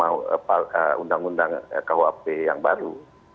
undang undang kuhp yang baru